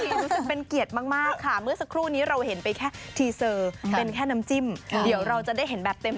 รู้สึกเป็นเกียรติมากค่ะเมื่อสักครู่นี้เราเห็นไปแค่ทีเซอร์เป็นแค่น้ำจิ้มเดี๋ยวเราจะได้เห็นแบบเต็ม